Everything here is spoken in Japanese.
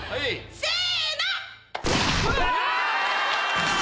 せの！